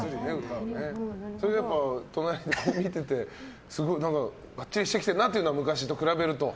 それは隣で見ててがっちりしてきてるなと昔と比べると？